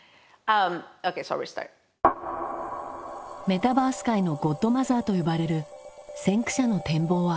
メタバース界のゴッドマザーと呼ばれる先駆者の展望は？